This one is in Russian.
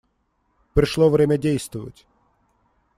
Пришло время действовать.